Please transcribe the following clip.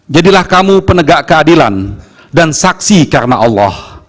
jadilah kamu penegak keadilan dan saksi karena allah